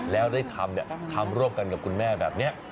แล้วได้ทำทำร่วมกันกับคุณแม่แบบนี้